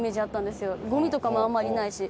ゴミとかもあんまりないし。